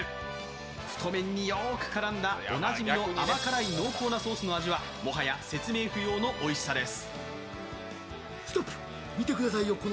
太麺によーく絡んだおなじみの甘辛い濃厚なソースはもはや説明不要のおいしさです。